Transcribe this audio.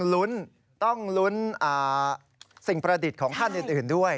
ลุ้นต้องลุ้นสิ่งประดิษฐ์ของท่านอื่นด้วย